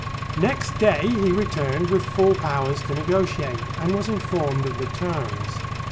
Next day he returned with full powers to negotiate, and was informed of the terms.